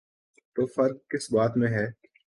تو فرق کس بات میں ہے؟